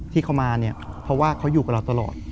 ที่เขามาเนี่ยเพราะว่าเขาอยู่กับเราตลอด